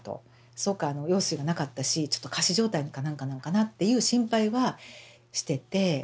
そうか羊水が無かったしちょっと仮死状態かなんかなのかなっていう心配はしてて。